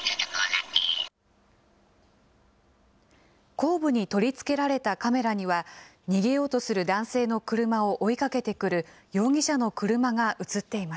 後部に取り付けられたカメラには、逃げようとする男性の車を追いかけてくる容疑者の車が写っていま